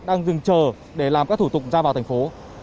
đang dừng chờ để làm các thủ tục ra vào thành phố